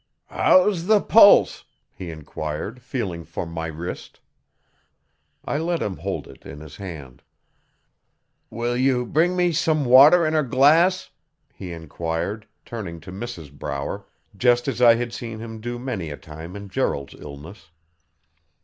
'How's the pulse?' he enquired, feeling for my wrist. I let him hold it in his hand. 'Will you bring me some water in a glass?' he enquired, turning to Mrs Brower, just as I had seen him do many a time in Gerald's illness.